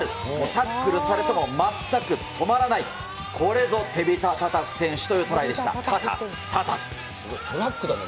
タックルされても全く止まらない、これぞテビタ・タタフ選手というトライでした。